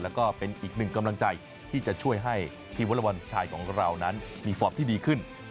แล้วก็เป็นอีกหนึ่งกำลังใจที่จะช่วยให้ทีมวอลบอลชายของเรานั้นมีฟอร์มที่ดีขึ้น